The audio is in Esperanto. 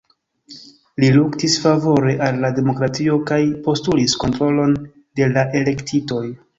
Li luktis favore al la demokratio kaj postulis kontrolon de la elektitoj.